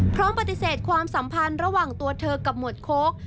พร้อมปฏิเสธความสัมพันธ์ระหว่างตัวเธอกับหมวดโค้ก